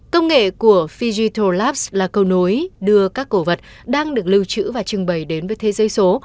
công nghệ của figital laps là câu nối đưa các cổ vật đang được lưu trữ và trưng bày đến với thế giới số